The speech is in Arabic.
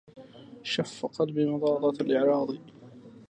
شف قلبي مضاضة الإعراض